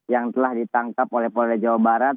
yang telah ditangkap oleh pol dajabarat